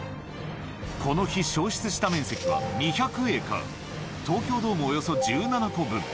この日、焼失した面積は２００エーカー、東京ドームおよそ１７個分。